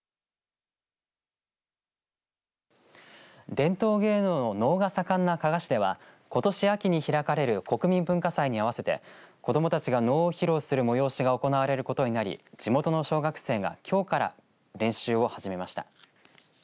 伝統芸能の能が盛んな加賀市ではことし秋に開かれる国民文化祭に合わせて子どもたちが能を披露する催しが行われることになり地元の小学生がきょうから練習を始めました。